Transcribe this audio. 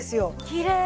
きれい。